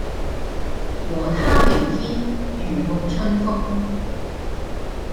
和他聊天如淋春風